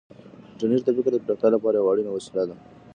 انټرنیټ د فکر د پراختیا لپاره یوه اړینه وسیله ده.